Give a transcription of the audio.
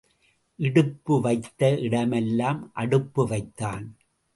இடுப்பு வைத்த இடமெல்லாம் அடுப்பு வைத்தான்.